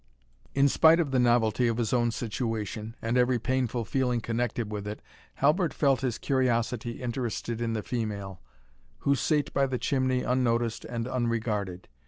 In spite of the novelty of his own situation, and every painful feeling connected with it, Halbert felt his curiosity interested in the female, who sate by the chimney unnoticed and unregarded.